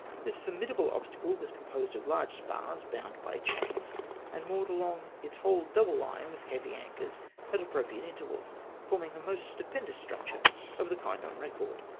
This formidable obstacle was composed of large spars, iDound by chains, and moored along its whole double hne with heavy anchors at appropriate intervals, forming the most stupendous structure of the Idnd on record.